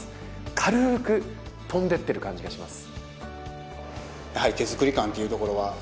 軽く飛んでいっている感じがします。